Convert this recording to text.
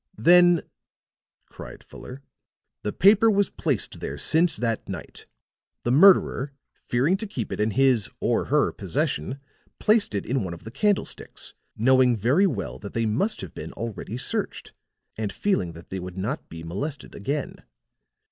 "Then," cried Fuller, "the paper was placed there since that night. The murderer, fearing to keep it in his or her possession, placed it in one of the candlesticks, knowing very well that they must have been already searched, and feeling that they would not be molested again.